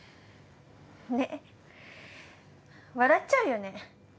ねっ笑っちゃうよね